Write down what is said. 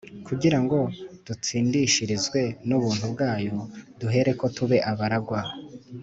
kugira ngo dutsindishirizwe n'ubuntu bwayo, duhereko tube abaragwa,